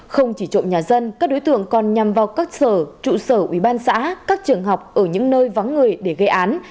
không chỉ trộm nhà dân các đối tượng còn nhằm vào các sở trụ sở ubnd xã các trường học ở những nơi vắng người để gây án